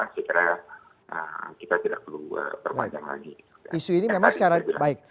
sekarang kita tidak perlu perpanjang lagi